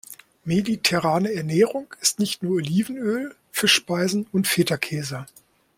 Mediterrane Ernährung ist nicht nur Olivenöl, Fischspeisen und Fetakäse.